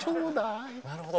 なるほど。